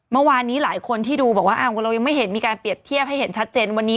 เมื่อวานนี้หลายคนที่ดูบอกว่าเรายังไม่เห็นมีการเปรียบเทียบให้เห็นชัดเจนวันนี้